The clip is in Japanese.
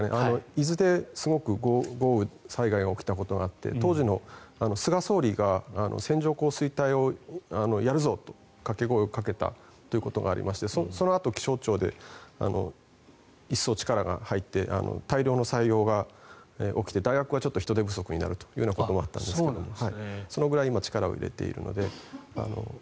伊豆ですごく豪雨災害が起きたことがあって当時の菅総理が線状降水帯をやるぞと掛け声をかけたということがありましてそのあと気象庁で一層力が入って大量の採用が起きて大学はちょっと人手不足になるということもあったんですがそのぐらい今、力を入れているので。